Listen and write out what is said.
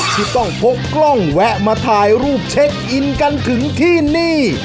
ที่ต้องพกกล้องแวะมาถ่ายรูปเช็คอินกันถึงที่นี่